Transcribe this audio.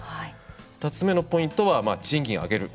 ２つ目のポイントは賃金を上げる。